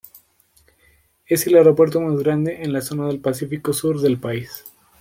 Es el aeropuerto más grande en la zona del Pacífico Sur del país.